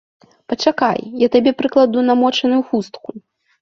Пачакай, я табе прыкладу намочаную хустку.